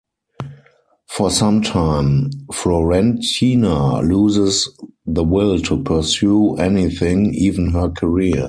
For some time, Florentyna loses the will to pursue anything, even her career.